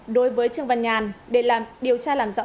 đối với trương văn ngàn để điều tra làm rõ